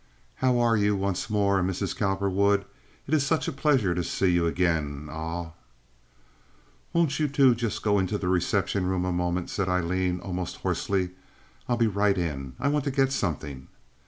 "How are you, once more, Meeses Cowperwood? It eez sudge a pleasure to see you again—awe." "Won't you two just go in the reception room a moment," said Aileen, almost hoarsely. "I'll be right in. I want to get something."